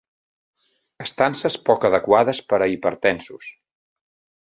Estances poc adequades per a hipertensos.